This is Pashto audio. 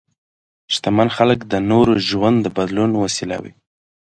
شتمن خلک د نورو ژوند د بدلون وسیله وي.